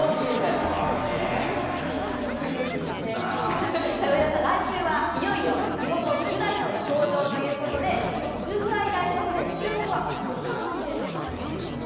すごいですね、さあ、上田さん、来週はいよいよ日本のフル代表が登場ということで、そのウルグアイ代表戦、注目はこちらの選手なんです。